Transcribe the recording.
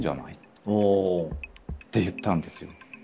お。って言ったんですよ。